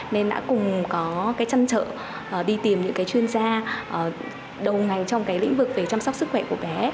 nên đã cùng có chăn trợ đi tìm những chuyên gia đầu ngành trong lĩnh vực chăm sóc sức khỏe của bé